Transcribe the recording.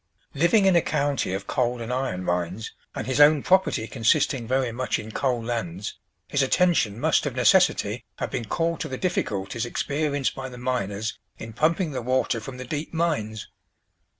Living in a county of coal and iron mines, and his own property consisting very much in coal lands, his attention must of necessity have been called to the difficulties experienced by the miners in pumping the water from the deep mines.